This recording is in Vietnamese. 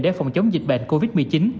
để phòng chống dịch bệnh covid một mươi chín